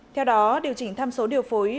theo đó điều chỉnh tham số điều phối